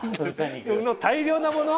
大量なもの？